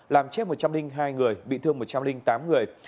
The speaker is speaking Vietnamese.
làm chết một trăm linh hai người bị thương một trăm linh tám người